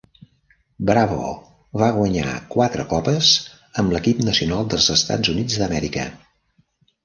Bravo va guanyar quatre copes amb l'equip nacional dels Estats Units d'Amèrica.